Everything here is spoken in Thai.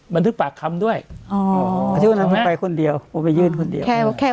บันทึกปากคำด้วยอ๋อคนเดียวผมไปยื่นคนเดียวแค่แค่